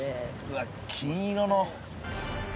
わっ金色の。